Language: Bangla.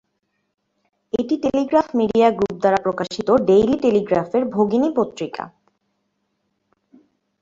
এটি টেলিগ্রাফ মিডিয়া গ্রুপ দ্বারা প্রকাশিত "ডেইলি টেলিগ্রাফের" ভগিনী পত্রিকা।